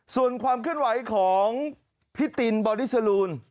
ส่วนความเคลื่อนไหวของพี่ตินบอดี้สลูน